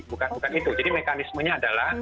bukan bukan itu jadi mekanismenya adalah